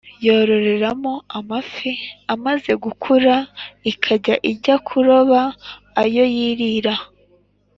yororeramo amafi amaze gukura ikajya ijya kuroba ayo yirira